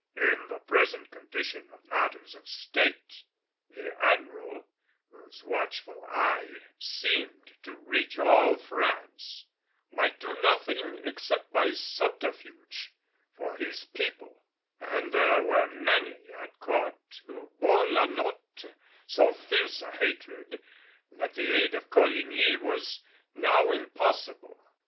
In the present condition of matters of state, the Admiral, whose watchful eye seemed to reach all France, might do nothing except by subterfuge for his people; and there were many at court who bore La Notte so fierce a hatred that the aid of Coligny was now impossible.